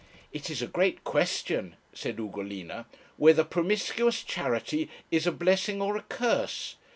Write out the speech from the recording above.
'It is a great question,' said Ugolina, 'whether promiscuous charity is a blessing or a curse.